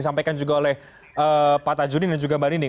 disampaikan juga oleh pak tajudin dan juga mbak ninding